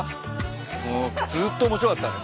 もうずっと面白かったね。